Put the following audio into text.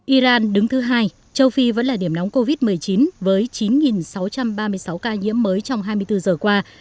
iran đứng thứ hai châu phi vẫn là điểm nóng covid một mươi chín với chín sáu trăm ba mươi sáu ca nhiễm mới trong hai mươi bốn giờ qua